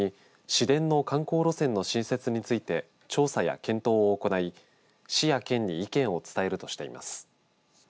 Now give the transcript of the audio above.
それに、市電の観光路線の新設について調査や検討を行い市や県に意見を伝えるとしています。